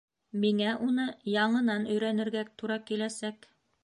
Миңә уны яңынан өйрәнергә тура киләсәк.